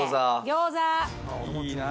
餃子！